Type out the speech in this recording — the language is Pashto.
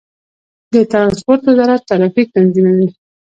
د ترانسپورت وزارت ټرافیک تنظیموي